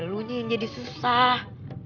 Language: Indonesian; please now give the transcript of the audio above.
lu nya yang jadi susah